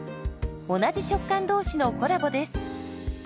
同じ食感同士のコラボです。